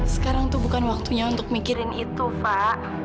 sekarang tuh bukan waktunya untuk mikirin itu pak